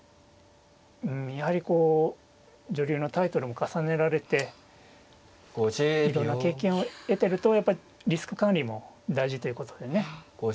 うんやはりこう女流のタイトルも重ねられていろんな経験を得てるとやっぱりリスク管理も大事ということでね。